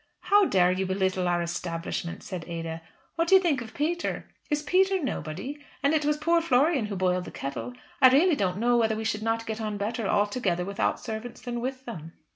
"How dare you belittle our establishment!" said Ada. "What do you think of Peter? Is Peter nobody? And it was poor Florian who boiled the kettle. I really don't know whether we should not get on better altogether without servants than with them."